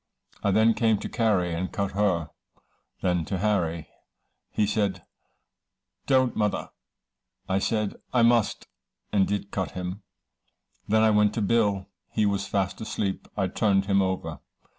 I then came to Carry, and cut her. Then to Harry he said, 'don't mother.' I said, 'I must' and did cut him. Then I went to Bill. He was fast asleep. I turned him over.